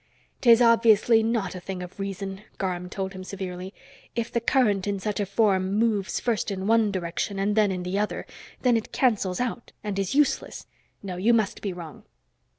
"'Tis obviously not a thing of reason," Garm told him severely. "If the current in such a form moves first in one direction and then in the other, then it cancels out and is useless. No, you must be wrong."